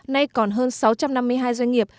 nay còn hơn sáu trăm năm mươi hai doanh nghiệp